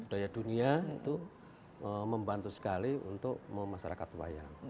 daya dunia itu membantu sekali untuk memasarakat wayang